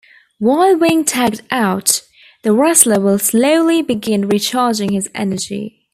While being tagged-out, the wrestler will slowly begin recharging his energy.